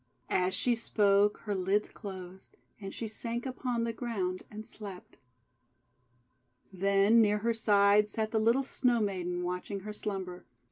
As she spoke, her lids closed, and she sank upon the ground and slept. Then near her side sat the little Snow Maiden, watching her slumber.